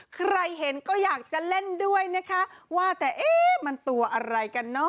ใครเห็นก็อยากจะเล่นด้วยนะคะว่าแต่เอ๊ะมันตัวอะไรกันเนอะ